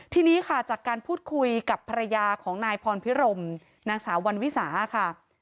ทีนี้ค่ะจากการพูดคุยกับภรรยาของนายพรพิรมนางสาววันวิสาค่ะ